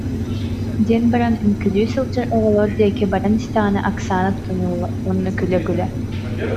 диэн баран үҥкүүлүү сылдьар оҕолор диэки баран истэҕинэ, Оксана тутан ылла уонна күлэ-күлэ: